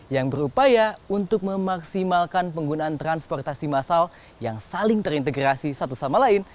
yang berupaya untuk memaksimalkan penggunaan transportasi massal yang saling terintegrasi satu sama lain